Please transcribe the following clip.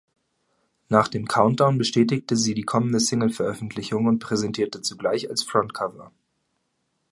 Nach dem Countdown bestätigte sie die kommende Singleveröffentlichung und präsentierte zugleich als Frontcover.